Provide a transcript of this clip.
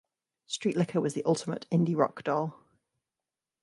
Street Licca was the ultimate "indie rock" doll.